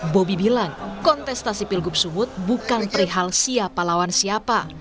bobi bilang kontestasi pilgub sumut bukan perihal siapa lawan siapa